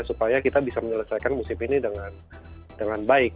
supaya kita bisa menyelesaikan musim ini dengan baik